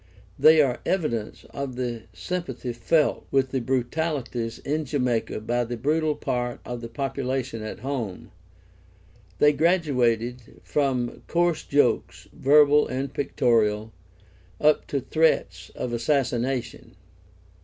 They are evidence of the sympathy felt with the brutalities in Jamaica by the brutal part of the population at home. They graduated from coarse jokes, verbal and pictorial, up to threats of assassination.